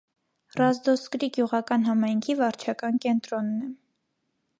Ռազդորսկի գյուղական համայնքի վարչական կենտրոնն է։